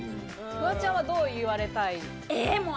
フワちゃんはどう言われたい？